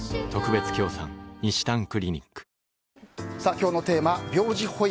今日のテーマ、病児保育。